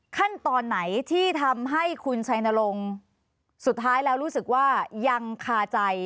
ขั้นตอนไหนที่ทำให้คุณชัยนรงค์สุดท้ายแล้วรู้สึกว่ายังคาใจ